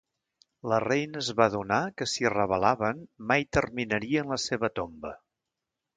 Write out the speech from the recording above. La reina es va adonar que si es rebel·laven, mai terminarien la seva tomba.